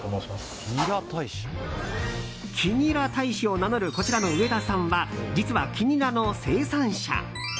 黄ニラ大使を名乗るこちらの植田さんは実は黄ニラの生産者。